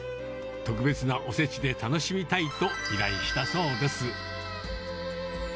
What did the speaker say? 特別なおせちで楽しみたいと、依頼したそうです。